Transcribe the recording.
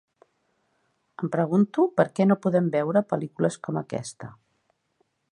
Em pregunto, per què no podem veure pel·lícules com aquesta?